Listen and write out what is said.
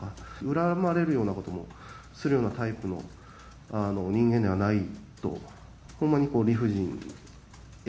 恨まれるようなことをするようなタイプの人間ではないと、ほんま